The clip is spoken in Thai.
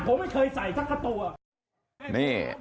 ผมเคยใส่สักคราวตัว